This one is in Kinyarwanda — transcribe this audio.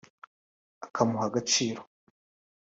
akamuha agaciro